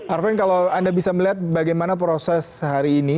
arven kalau anda bisa melihat bagaimana proses hari ini